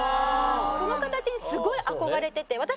その形にすごい憧れてて。